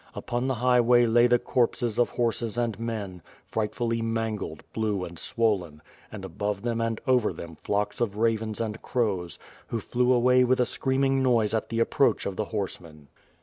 Upon the highway lay the corpses of horses and men, frightfully mangled, blue and swollen, and above them and over them flocks of ravens and crows, who flew away with a screaming noise at the approach of the horsemen.